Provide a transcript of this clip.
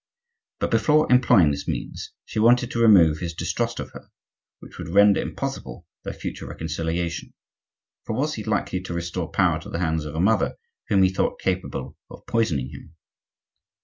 But, before employing this means, she wanted to remove his distrust of her, which would render impossible their future reconciliation; for was he likely to restore power to the hands of a mother whom he thought capable of poisoning him?